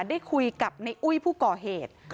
ได้คุยกับในอุ้ยผู้ก่อเหตุ